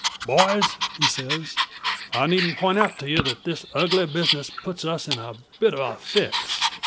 "Boys!" he says, "I needn't point out to ye that this ugly business puts us in a bit o' a fix.